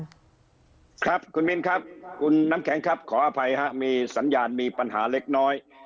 ครับคุณมินครับคุณน้ำแข็งครับขออภัยฮะมีสัญญาณมีปัญหาเล็กน้อย